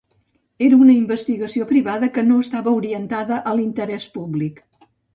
Era una investigació privada que no estava orientada a l'interès públic.